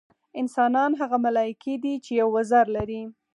انسانان هغه ملایکې دي چې یو وزر لري.